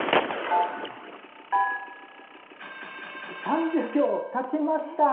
３０秒たちました。